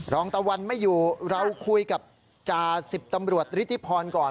รองตะวันไม่อยู่เราคุยกับจ่าสิบตำรวจฤทธิพรก่อน